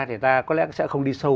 thì ta có lẽ sẽ không đi sâu